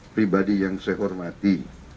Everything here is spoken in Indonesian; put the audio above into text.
pribadi yang saya hormati